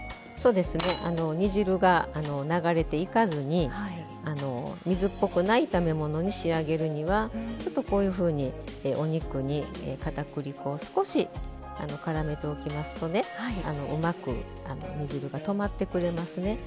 煮汁が流れていかずに水っぽくない炒め物に仕上げるにはちょっとこういうふうにお肉にかたくり粉を少しからめておきますとねうまく煮汁がとまってくれますね。